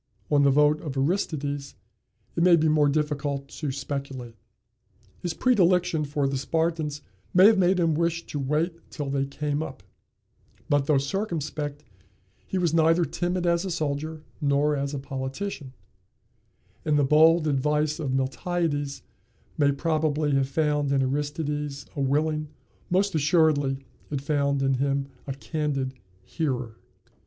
On the vote of Aristides it may be more difficult to speculate. His predilection for the Spartans may have made him wish to wait till they came up; but, though circumspect, he was neither timid as a soldier nor as a politician, and the bold advice of Miltiades may probably have found in Aristides a willing, most assuredly it found in him a candid, hearer.